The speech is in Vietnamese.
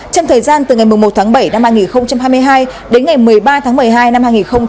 trong thời gian từ ngày một tháng bảy năm hai nghìn hai mươi hai đến ngày một mươi ba tháng một mươi hai năm hai nghìn hai mươi ba